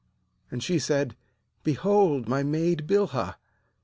3And she said: 'Behold my maid * Heb.